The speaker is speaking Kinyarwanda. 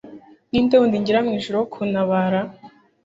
Ni nde wundi ngira mu ijuru wo kuntabara?